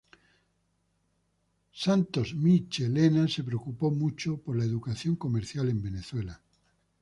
Santos Michelena se preocupó mucho por la educación comercial en Venezuela.